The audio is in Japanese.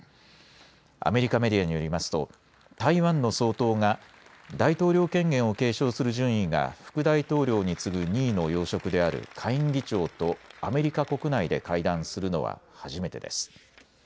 アメリカメディアによりますと台湾の総統が大統領権限を継承する順位が副大統領に次ぐ２位の要職である下院議長とアメリカ国内で会談するのは初めてです。